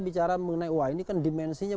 bicara mengenai wah ini kan dimensinya